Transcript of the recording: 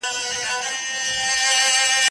بې پروا یم له رویباره، بې خبره له نګاره